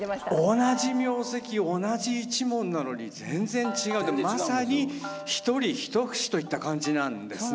同じ名跡同じ一門なのに全然違うってまさに一人一節といった感じなんですね。